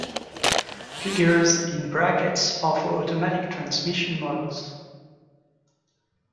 Figures in brackets are for automatic transmission models.